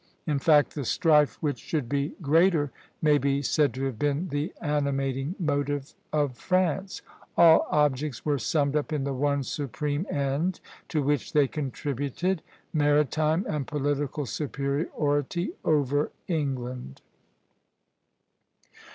In fact, the strife which should be greater may be said to have been the animating motive of France; all objects were summed up in the one supreme end to which they contributed, maritime and political superiority over England.